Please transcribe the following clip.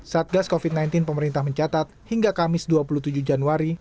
satgas covid sembilan belas pemerintah mencatat hingga kamis dua puluh tujuh januari